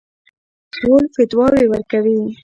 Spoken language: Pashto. ټول فتواوې ورکوي.